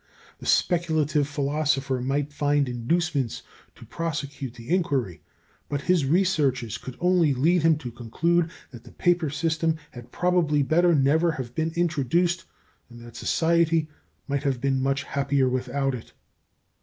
The speculative philosopher might find inducements to prosecute the inquiry, but his researches could only lead him to conclude that the paper system had probably better never have been introduced and that society might have been much happier without it.